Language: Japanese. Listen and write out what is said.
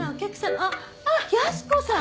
あっ寧子さん！